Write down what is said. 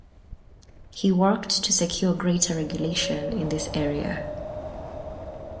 He worked to secure greater regulation in this area.